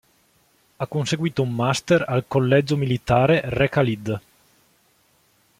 Ha conseguito un master al Collegio Militare Re khalid.